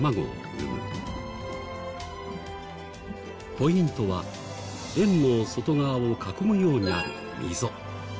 ポイントは円の外側を囲むようにある溝。